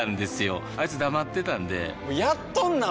あいつ黙ってたんでやっとんなー！